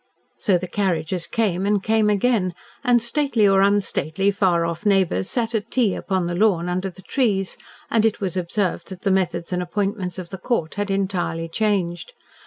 So the carriages came and came again, and, stately or unstately far off neighbours sat at tea upon the lawn under the trees, and it was observed that the methods and appointments of the Court had entirely changed.